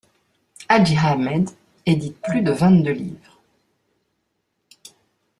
Hadj Ahmed édite plus de vingt-deux livres.